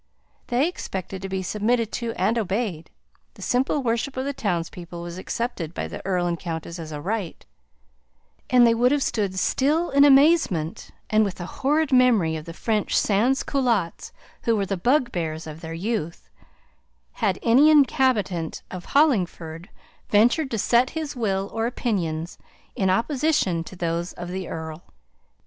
They expected to be submitted to, and obeyed; the simple worship of the townspeople was accepted by the earl and countess as a right; and they would have stood still in amazement, and with a horrid memory of the French sansculottes who were the bugbears of their youth, had any inhabitant of Hollingford ventured to set his will or opinions in opposition to those of the earl.